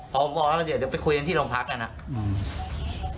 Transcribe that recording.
พอผมออกแล้วก็เดี๋ยวเดี๋ยวไปคุยกันที่โรงพักษณ์อันนั้นอืม